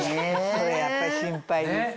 それやっぱり心配です。